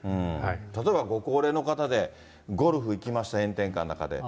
例えばご高齢の方でゴルフ行きました、炎天下の中で。